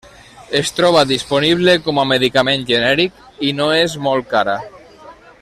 Es troba disponible com a medicament genèric i no és molt cara.